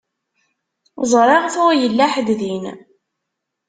Ẓriɣ tuɣ yella ḥedd din.